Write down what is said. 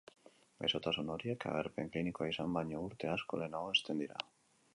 Gaixotasun horiek agerpen klinikoa izan baino urte asko lehenago hasten dira.